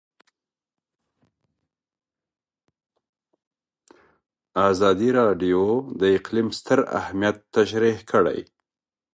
ازادي راډیو د اقلیم ستر اهميت تشریح کړی.